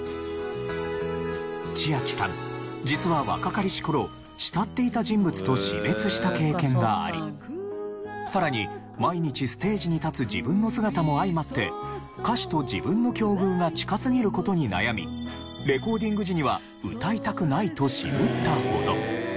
ちあきさん実は若かりし頃慕っていた人物と死別した経験がありさらに毎日ステージに立つ自分の姿も相まって歌詞と自分の境遇が近すぎる事に悩みレコーディング時には歌いたくないと渋ったほど。